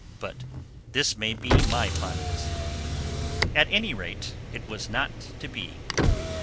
But this may be my fondness. At any rate, it was not to be.